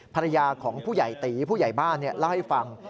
ภรรยาของผู้ใหญ่ตีผู้ใหญ่บ้านเล่าให้ฟัง